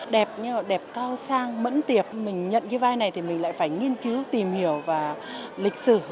đẹp nhưng mà đẹp cao sang mẫn tiệp mình nhận cái vai này thì mình lại phải nghiên cứu tìm hiểu và lịch sử